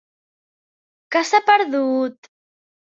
Què s'ha perdut?